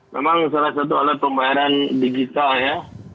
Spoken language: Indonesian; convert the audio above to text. memang salah satu alat pembayaran digital ya